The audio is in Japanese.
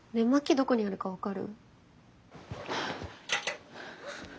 どこにあるか分かる？